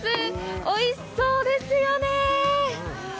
おいしそうですよねぇ。